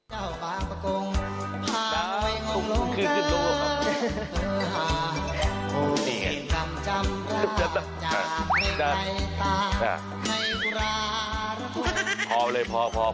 หลังที่เมืองห้าแฟนกันเพื่อนมันก็เลยล้างไป